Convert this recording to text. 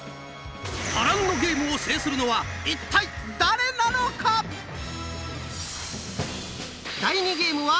波乱のゲームを制するのは一体誰なのか⁉頑張って！